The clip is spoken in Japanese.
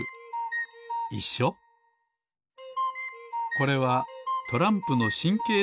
これはトランプのしんけい